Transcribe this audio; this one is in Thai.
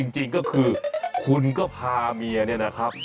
จริงก็คือคุณก็พาเมียเนี่ยนะครับ